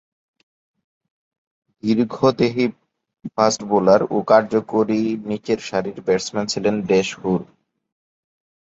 দীর্ঘদেহী fast bowler ও কার্যকরী নিচেরসারির ব্যাটসম্যান ছিলেন ডেস হোর।